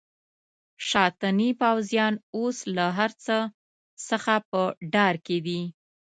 شاتني پوځیان اوس له هرڅه څخه په ډار کې دي.